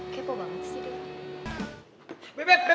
kepo banget sih deh